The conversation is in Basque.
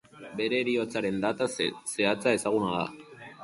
Bere heriotzaren data zehatza ezezaguna da.